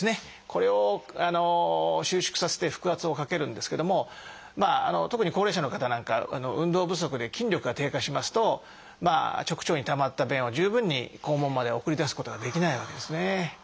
これを収縮させて腹圧をかけるんですけども特に高齢者の方なんかは運動不足で筋力が低下しますと直腸にたまった便を十分に肛門まで送り出すことができないわけですね。